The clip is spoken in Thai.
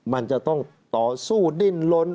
มันจะต้องต่อสู้ดิ้นล้น